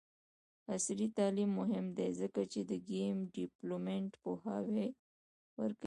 عصري تعلیم مهم دی ځکه چې د ګیم ډیولپمنټ پوهاوی ورکوي.